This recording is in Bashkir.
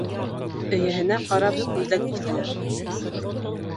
Эйәһенә ҡарап күлдәк киҫәләр.